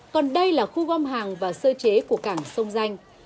còn đây là khu gom hàng và sơ chế của cảng sông danh